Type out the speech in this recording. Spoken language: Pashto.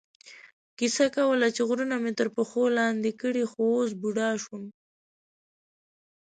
کیسه کوله چې غرونه مې تر پښو لاندې کړي، خو اوس بوډا شوم.